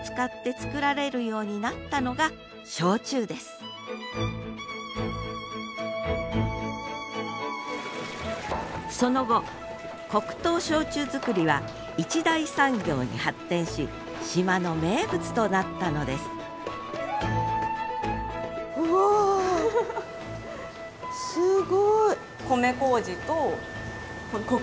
およそ３００年前奄美ではしかしその後黒糖焼酎造りは一大産業に発展し島の名物となったのですうわすごい。